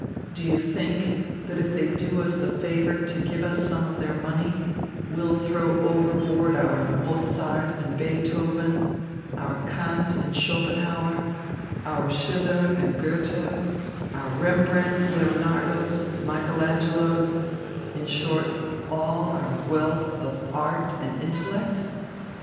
Do you think that if they do us the favour to give us some of their money, we'll throw overboard our Mozart and Beethoven, our Kant and Schopenhauer, our Schiller and Goethe, our Rembrandts, Leonardos, Michael Angelos, in short, all our wealth of art and intellect?